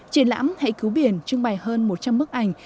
triển lãm hãy cứu biển trưng bày hơn một trăm linh bức ảnh